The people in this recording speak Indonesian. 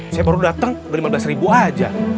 saya baru dateng ber lima belas ribu aja